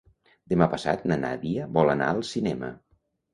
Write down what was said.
Demà passat na Nàdia vol anar al cinema.